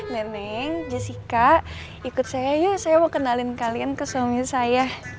neneng jessica ikut saya yuk saya mau kenalin kalian ke suami saya